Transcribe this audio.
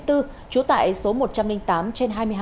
trú tại số một trăm linh tám trên hai mươi hai